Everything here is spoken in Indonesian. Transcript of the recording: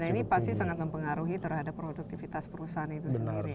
nah ini pasti sangat mempengaruhi terhadap produktivitas perusahaan itu sendiri